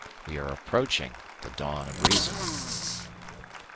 We are approaching the Dawn of Reason.